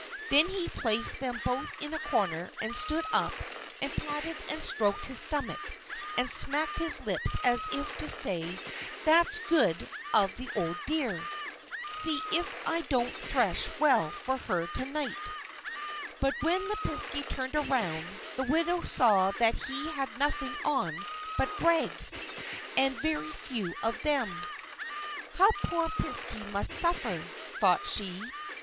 Then he placed them both in a corner, and stood up and patted and stroked his stomach, and smacked his lips, as if to say: "That's good of the old dear! See if I don't thresh well for her to night!" But when the Piskey turned around, the widow saw that he had nothing on but rags, and very few of them. "How the poor Piskey must suffer!" thought she.